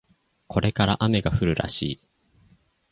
これから雨が降るらしい